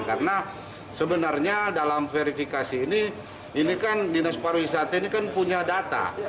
karena sebenarnya dalam verifikasi ini dprd makassar punya data